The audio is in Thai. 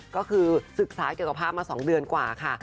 ก็คือศึกษาเกี่ยวกับภาพมา๒เดือนกว่าค่ะ